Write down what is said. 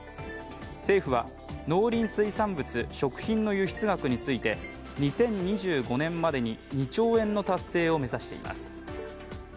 政府は農林水産物・食品の輸出額について２０２５年までに２兆円の達成を目指しています。